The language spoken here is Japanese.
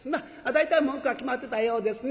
大体文句は決まってたようですね。